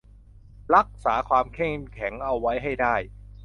รักษาความเข้มแข็งเอาไว้ให้ได้